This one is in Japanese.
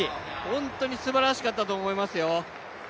本当にすばらしかったと思いますよ。